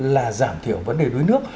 là giảm thiểu vấn đề đối nước